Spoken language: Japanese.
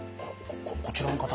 こちらの方は？